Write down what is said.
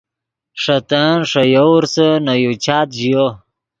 ݰے تن ݰے یوورسے نے یو چات ژیو۔